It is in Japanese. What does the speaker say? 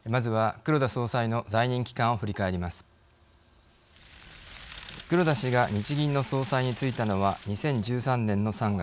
黒田氏が日銀の総裁に就いたのは２０１３年の３月。